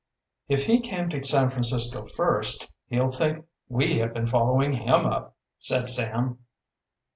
"If he came to San Francisco first, he'll think we have been following him up," said Sam.